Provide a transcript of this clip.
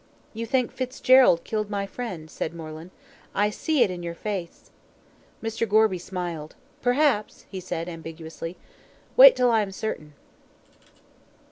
"You think Fitzgerald killed my friend," said Moreland. "I see it in your face." Mr. Gorby smiled. "Perhaps," he said, ambiguously. "Wait till I'm certain."